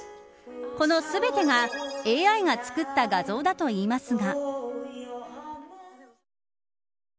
この全てがＡＩが作った画像だといいますが。